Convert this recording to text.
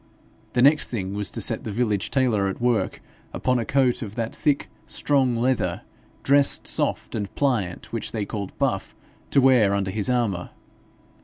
The next thing was to set the village tailor at work upon a coat of that thick strong leather, dressed soft and pliant, which they called buff, to wear under his armour.